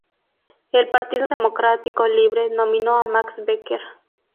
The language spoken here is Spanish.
El Partido Democrático Libre nominó a Max Becker.